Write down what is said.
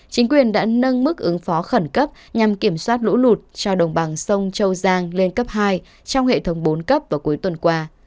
chính quyền đã nâng mức ứng phó khẩn cấp nhằm kiểm soát lũ lụt cho đồng bằng sông châu giang lên cấp hai trong hệ thống bốn cấp vào cuối tuần qua